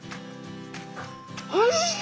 おいしい！